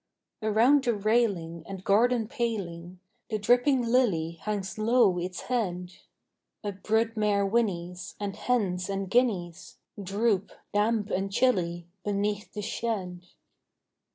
Around the railing and garden paling The dripping lily hangs low its head: A brood mare whinnies; and hens and guineas Droop, damp and chilly, beneath the shed.